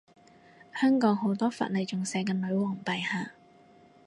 香港好多法例仲寫緊女皇陛下